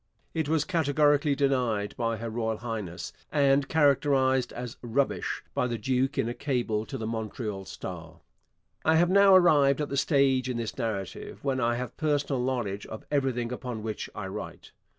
It was categorically denied by Her Royal Highness, and characterized as 'rubbish' by the duke in a cable to the Montreal Star. I have now arrived at the stage in this narrative when I have personal knowledge of everything upon which I write.